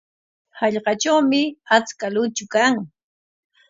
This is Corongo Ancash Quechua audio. Hallqatrawmi achka luychu kan.